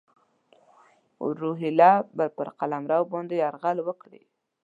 روهیله به پر قلمرو باندي یرغل وکړي.